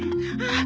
ああ！